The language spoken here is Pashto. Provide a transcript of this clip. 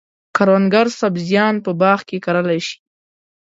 کروندګر سبزیان په باغ کې کرلای شي.